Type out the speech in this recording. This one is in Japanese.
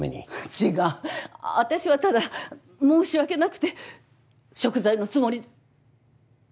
違う私はただ申し訳なくてしょく罪のつもり。